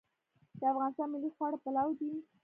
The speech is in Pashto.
د افغانستان ملي خواړه پلاو دی